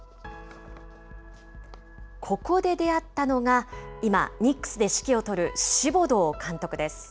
ここで出会ったのが、今、ニックスで指揮を執るシボドー監督です。